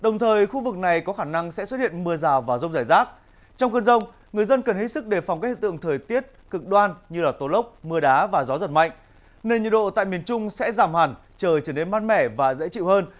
nơi nhiệt độ tại miền trung sẽ giảm hẳn trời trở nên mát mẻ và dễ chịu hơn